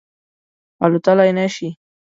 الوتلای نه شي